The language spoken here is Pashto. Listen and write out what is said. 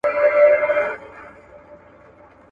¬ نور خلگ پيسې گټي، پښتانه کيسې گټي.